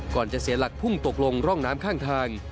จะเสียหลักพุ่งตกลงร่องน้ำข้างทาง